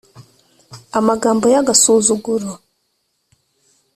amagambo y agasuzuguro